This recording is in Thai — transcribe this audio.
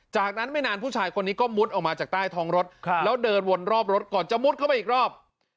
จากนั้นไม่นานผู้ชายคนนี้ก็มุดออกมาจากใต้ท้องรถแล้วเดินวนรอบรถก่อนจะมุดเข้าไปอีกรอบ